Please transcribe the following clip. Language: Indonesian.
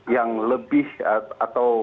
yang lebih atau